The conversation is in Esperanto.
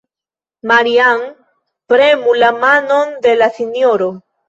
Maria-Ann, premu la manon de la sinjoro.